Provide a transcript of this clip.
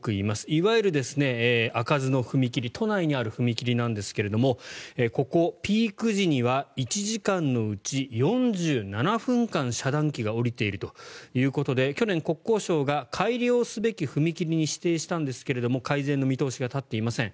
いわゆる開かずの踏切都内にある踏切なんですがここ、ピーク時には１時間のうち４７分間遮断機が下りているということで去年、国交省が改良すべき踏切に指定したんですけど改善の見通しが立っていません。